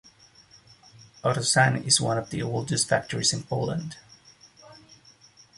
Autosan is one of the oldest factories in Poland.